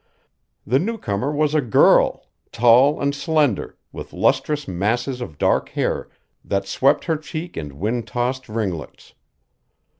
The newcomer was a girl, tall and slender, with lustrous masses of dark hair that swept her cheek in wind tossed ringlets.